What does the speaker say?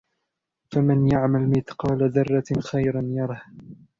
فَمَنْ يَعْمَلْ مِثْقَالَ ذَرَّةٍ خَيْرًا يَرَهُ